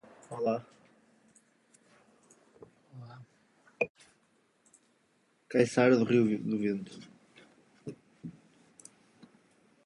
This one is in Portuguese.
Caiçara do Rio do Vento